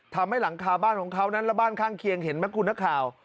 ทำให้หลังคาบ้านของเขานั้นและบ้านข้างเคียงเห็นไหมคุณนักข่าว